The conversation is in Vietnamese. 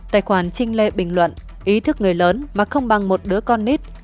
tài khoản trinh lê bình luận ý thức người lớn mà không bằng một đứa con nít